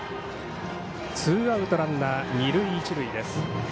ツーアウトランナー、二塁一塁です。